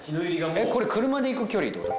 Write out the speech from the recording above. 車で行く距離ってこと？